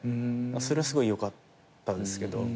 それはすごいよかったですけど。